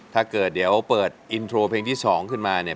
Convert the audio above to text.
ถ้าเกิดเดี๋ยวเปิดอินโทรเพลงที่๒ขึ้นมาเนี่ย